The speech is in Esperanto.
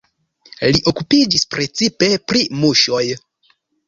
Li okupiĝis precipe pri muŝoj.